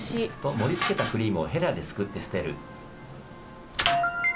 盛りつけたクリームをへらですくって捨てる。